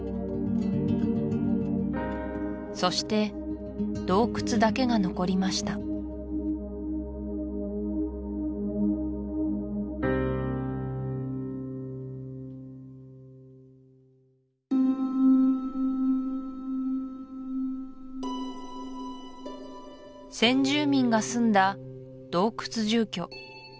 そして洞窟だけが残りました先住民が住んだ洞窟住居